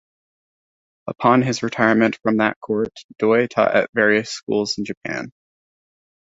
Upon his retirement from that court, Doi taught at various schools in Japan.